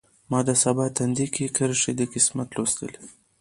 ما د سبا تندی کې کرښې د قسمت لوستلي